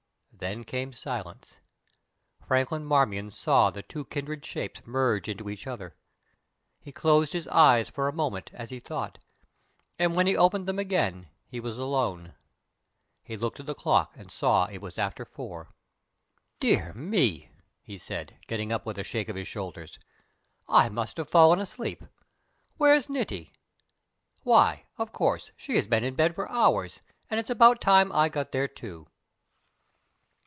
Then came silence. Franklin Marmion saw the two kindred shapes merge into each other. He closed his eyes for a moment, as he thought, and when he opened them again he was alone. He looked at the clock, and saw that it was after four. "Dear me!" he said, getting up with a shake of his shoulders, "I must have fallen asleep. Where's Niti? Why, of course, she has been in bed for hours, and it's about time that I got there, too."